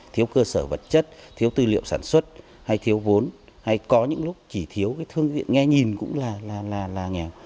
thiếu cơ sở vật chất thiếu tư liệu sản xuất hay thiếu vốn hay có những lúc chỉ thiếu cái thương viện nghe nhìn cũng là nghèo